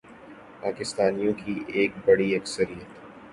پاکستانیوں کی ایک بڑی اکثریت